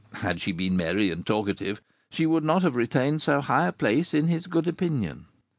Had she been merry and talkative, she would not have retained so high a place in his good opinion.